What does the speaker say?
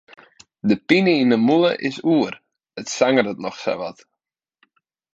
De pine yn 'e mûle is oer, it sangeret noch sa wat.